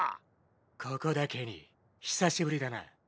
ここだケニー久しぶりだな。